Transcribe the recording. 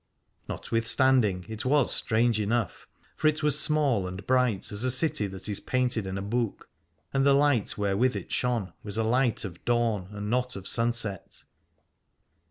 Notwithstanding it was strange enough : for it was small and bright as a city that is painted in a book, and the light wherewith it shone was a light of dawn and not of sunset.